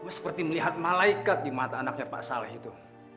seperti melihat malaikat di mata anaknya pak saleh itu